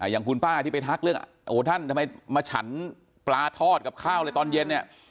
อย่างคุณป้าที่ไปทักเรื่องโอ้ท่านทำไมมาฉันปลาทอดกับข้าวเลยตอนเย็นเนี่ย